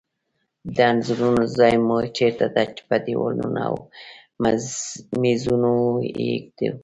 د انځورونو ځای مو چیرته ده؟ په دیوالونو او میزونو یی ایږدو